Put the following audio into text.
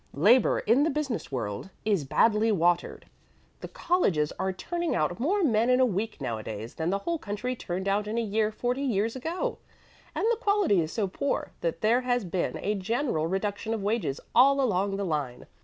Labor in the business world is badly watered. The colleges are turning out more men in a week nowadays than the whole country turned out in a year forty years ago, and the quality is so poor that there has been a general reduction of wages all along the line.